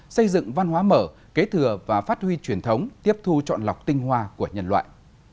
xây dựng văn hóa mở kế thừa và phát huy truyền thống tiếp thu chọn lọc tinh hoa của nhân loại